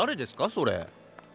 それ。